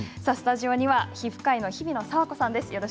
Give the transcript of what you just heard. スタジオには皮膚科医の日比野佐和子さんです。